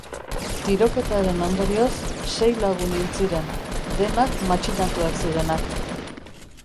Tiroketaren ondorioz, sei lagun hil ziren, denak matxinatuak zirenak.